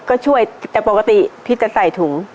ก็ช่วยแต่ปกติพี่จะใส่ถุง